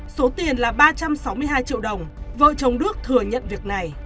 số tiền là ba trăm sáu mươi hai triệu đồng vợ chồng đức thừa nhận việc này